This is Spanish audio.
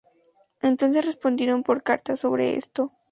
entonces respondieron por carta sobre esto.